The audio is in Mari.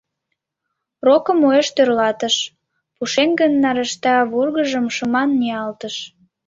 Рокым уэш тӧрлатыш, пушеҥгын нарашта вургыжым шыман ниялтыш.